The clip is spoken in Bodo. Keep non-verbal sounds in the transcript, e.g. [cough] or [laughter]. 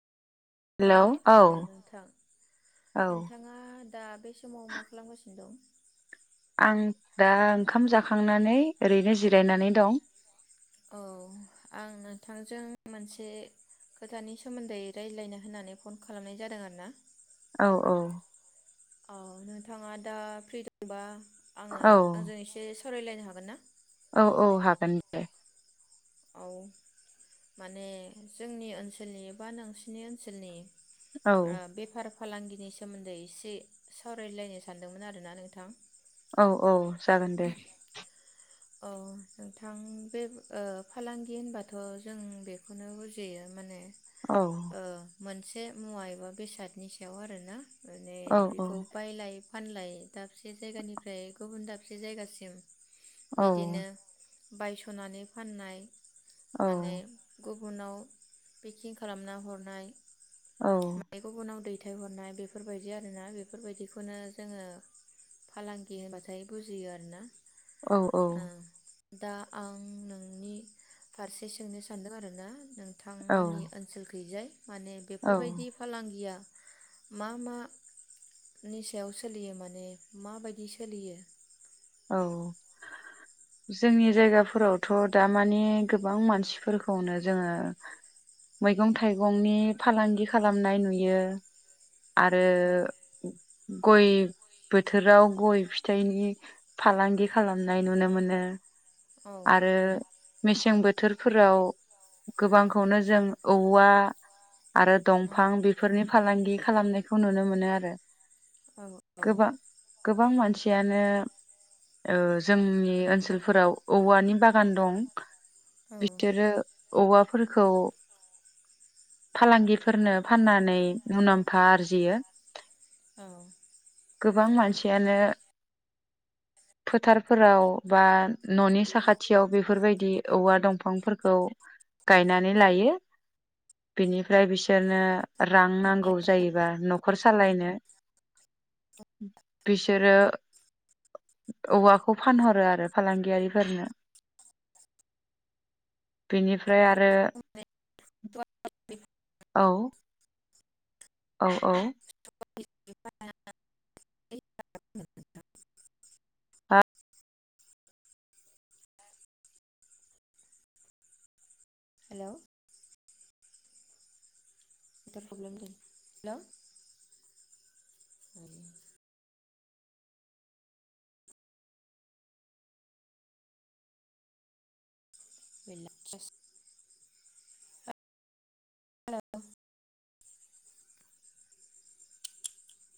हेलौ औ नोंथां औ नोंथाङा दा बे समाव मा खालामगासिनो दं आं दा ओंखाम जाखांनानै ओरैनो जिरायनानै दं औ आं नोंथांजों मोनसे खोथानि सोमोन्दै रायज्लायनो होननानै फन खालामनाय जादों आरो ना औ औ औ नोंथाङा दा फ्रि दंबा आङो औ आंजों एसे सावरायलायनो हागोन ना औ औ हागोन दे औ माने जोंनि ओनसोलनि बा नोंसिनि ओनसोलनि औ ओ बेफार फालांगिनि सोमोन्दै एसे सावरायलायनो सानदोंमोन आरो ना नोंथां औ औ जागोन दे अ नोंथां बे ओ फालांगि होनबाथ' जों बेखौनो बुजियो माने औ ओ मोनसे मुवा एबा बेसादनि सायाव आरो ना माने औ औ बिखौ बायलाय फानलाय दाबसे जायगानिफ्राय गुबुन दाबसे जायगासिम औ बिदिनो बायस'नानै फाननाय औ माने गु बुनाव पेकिं खालामना हरनाय औ माने गुबुनाव दैथाय हरनाय बेफोरबायदि आरो ना बेफोरबायदिखौनो जोङो फालांगि होनबाथाय बुजियो आरो ना औ औ दा आं नोंनि फारसे सोंनो सानदों आरो ना नों थांमोननि ओनसोल गैजाय माने औ बेफोर बायदि फालांगिया मा मा नि सायाव सोलियो माने माबायदि सोलियो औ जोंनि जायगाफोरावथ' दा माने गोबां मानसिफोरखौनो जोङो मैगं थाइगंनि फालांगि खालामनाय नुयो आरो औ गय बोथोराव गय फिथाइनि फालांगि खालामनाय नुनो मोनो औ आरो मेसें बोथोर बोथोरफोराव गोबांखौनो जों औवा आरो उम दंफां बेफोरनि फालांगि खालामनायखौ नुनो मोनो आरो औ औ गोबां गोबां मानसियानो औ जोंनि ओनसोलफोराव औवानि बागान दं औ बिसोरो औवाफोरखौ फालांगिफोरनो फाननानै मुनाम्फा आरजियो औ गोबां मानसियानो फोथारफोराव बा न'नि साखाथियाव बेफोरबायदि औवा दंफांफोरखौ गायनानै लायो बेनिफ्राय बिसोर बिदिनो रां नांगौ जायो बा न'खर सालायनो बिसोरो औवाखौ फानहरो आरो फालांगियारिफोरनो बेनिफ्राय आरो औ औ औ [inaudible] हेल' प्रब्लेम जादों हेल' आरो गैला सेस हेल'